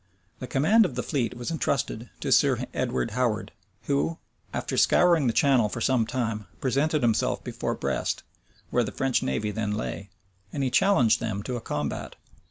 The command of the fleet was intrusted to Sir Edward Howard; who, after scouring the Channel for some time, presented himself before Brest, where the French navy then lay; and he challenged them to a combat.